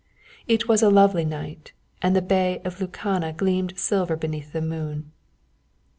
It was a lovely night, and the Bay of Lucana gleamed silver beneath the moon.